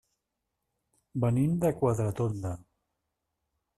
Venim de Quatretonda.